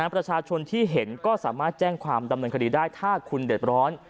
ประชาชนที่เห็นก็สามารถแจ้งความดำเนินคดีได้ถ้าคุณเดือดร้อน